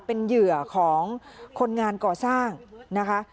เป็นเหยื่อของคนงานก่อสร้างนะคะ